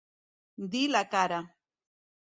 Dir la cara.